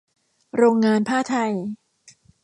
โรงงานผ้าไทย